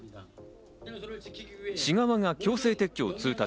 市側が強制撤去を通達。